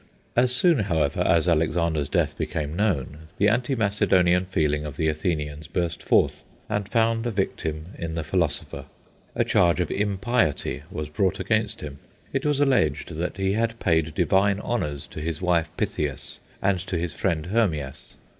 As soon, however, as Alexander's death became known, the anti Macedonian feeling of the Athenians burst forth, and found a victim in the philosopher. A charge of impiety was brought against him. It was alleged that he had paid divine honours to his wife Pythias and to his friend Hermias.